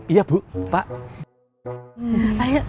iya bu pak